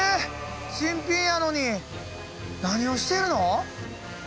新品やのに何をしてるの！？